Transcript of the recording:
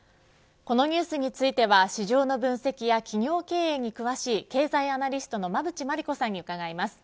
このニュースについては市場の分析や企業経営に詳しい経済アナリストの馬渕磨理子さんに伺います。